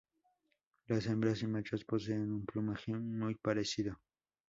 Las hembras y machos poseen un plumaje muy parecido.